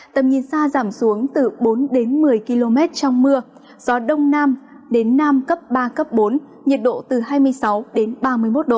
tầm nhìn xa giảm xuống từ bốn đến một mươi km trong mưa gió đông nam đến nam cấp ba bốn nhiệt độ từ hai mươi sáu đến ba mươi một độ